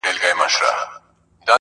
احسان الله شاهد